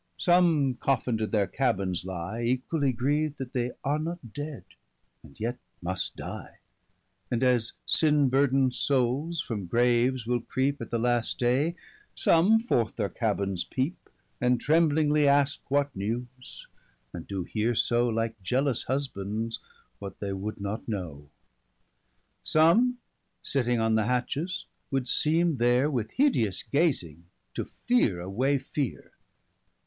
Some coffin'd in their cabbins lye,'equally 45 Griev'd that they are not dead, and yet must dye; And as sin burd'ned soules from graves will creepe, At the last day, some forth their cabbins peepe: And tremblingly'aske what newes, and doe heare so, Like jealous husbands, what they would not know. 50 Some sitting on the hatches, would seeme there, With hideous gazing to feare away feare.